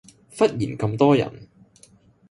忽然咁多人